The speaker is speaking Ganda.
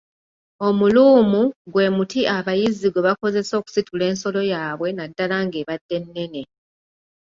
Omuluumu gwe muti abayizzi gwebakozesa okusitula ensolo yaabwe naddala ng’ebadde nnene.